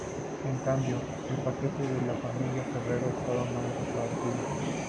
En cambio, el paquete de la familia Ferrero estaba más repartido.